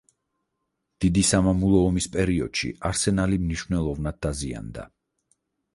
დიდი სამამულო ომის პერიოდში არსენალი მნიშვნელოვნად დაზიანდა.